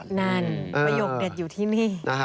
นั่นประโยคเด็ดอยู่ที่นี่